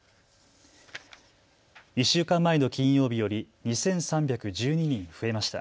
１週間前の金曜日より２３１２人増えました。